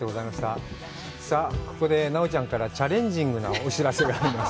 さあ、ここで奈緒ちゃんからチャレンジングなお知らせがあります。